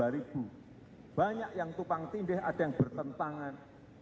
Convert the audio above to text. empat puluh dua ribu banyak yang tupang tindih ada yang bertentangan